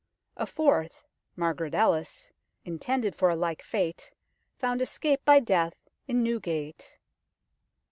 A fourth, Margaret Ellis, intended for a like fate, found escape by death in Newgate.